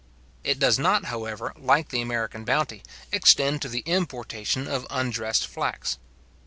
It does not, however, like the American bounty, extend to the importation of undressed flax.